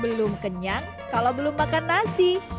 belum kenyang kalau belum makan nasi